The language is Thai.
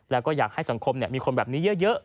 แล้วก็อยากให้สังคมมีคนแบบนี้เยอะ